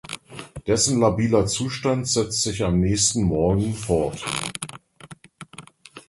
Dessen labiler Zustand setzt sich am nächsten Morgen fort.